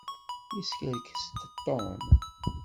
Yeskerkes-d Tom.